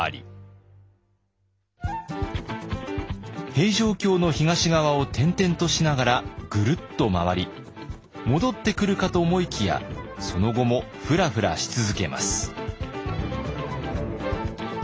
平城京の東側を転々としながらぐるっと回り戻ってくるかと思いきやその後もふらふらし続けます。